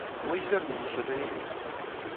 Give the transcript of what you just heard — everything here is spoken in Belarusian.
Мы звярнуліся да яе.